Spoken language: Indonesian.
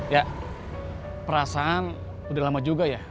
ya perasaan udah lama juga ya